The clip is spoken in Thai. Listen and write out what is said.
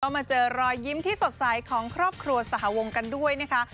มาเจอรอยยิ้มที่สดใสของครอบครัวสหวงกันด้วยนะคะ